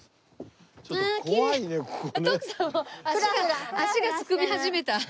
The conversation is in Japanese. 徳さんもう足が足がすくみ始めた。